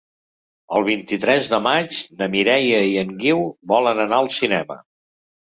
El vint-i-tres de maig na Mireia i en Guiu volen anar al cinema.